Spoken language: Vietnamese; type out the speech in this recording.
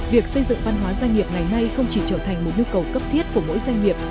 việc xây dựng văn hóa doanh nghiệp ngày nay không chỉ trở thành một nhu cầu cấp thiết của mỗi doanh nghiệp